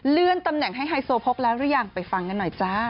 ตำแหน่งให้ไฮโซโพกแล้วหรือยังไปฟังกันหน่อยจ้า